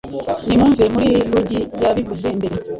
Nimwumve muri Iugi yabivuze mbere